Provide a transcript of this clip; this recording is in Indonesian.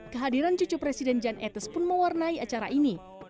kehadiran cucu presiden jan etes pun mewarnai acara ini